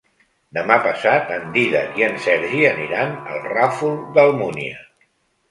Demà passat en Dídac i en Sergi aniran al Ràfol d'Almúnia.